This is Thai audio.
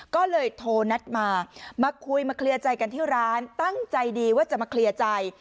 ก็เลยโทรนัดมามาคุยมาเคลียร์ใจกันที่ร้านตั้งใจดีว่าจะมาเคลียร์ใจ